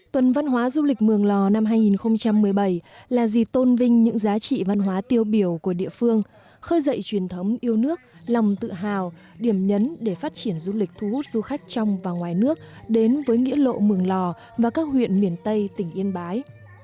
tuần văn hóa du lịch mường lò năm hai nghìn một mươi bảy là dịp tôn vinh những giá trị văn hóa tiêu biểu của địa phương khơi dậy truyền thống yêu nước lòng tự hào điểm nhấn để phát triển du lịch thu hút du khách trong và ngoài nước đến với nghĩa lộ mường lò và các huyện miền tây tỉnh yên bái